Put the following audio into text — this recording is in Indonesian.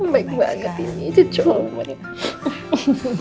baik banget ini cocok